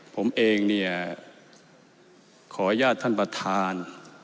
ผมเองเนี่ยขออนุญาตท่านประธาน